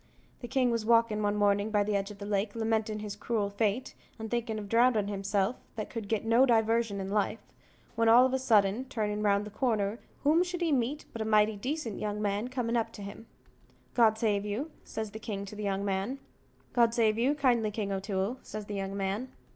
The king was walkin' one mornin' by the edge of the lake, lamentin' his cruel fate, and thinking of drowning himself, that could get no diversion in life, when all of a sudden, turning round the corner, whom should he meet but a mighty decent young man coming up to him. "God save you," says the king to the young man. "God save you kindly, King O'Toole," says the young man.